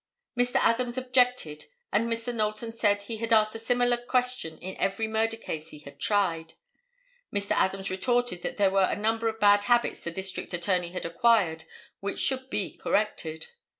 Mr. Adams objected and Mr. Knowlton said he had asked a similar question in every murder case he had tried. Mr. Adams retorted that there were a number of bad habits the District Attorney had acquired which should be corrected.